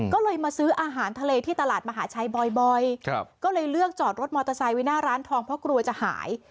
ก็เลยมาซื้ออาหารทะเลที่ตลาดมหาชัยบ่อยก็เลยเลือกจอดรถมอเตอร์ไซค์ไว้หน้าร้านทองเพราะกลัวจะหาย